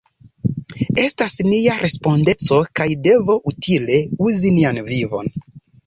Estas nia respondeco kaj devo utile uzi nian vivon.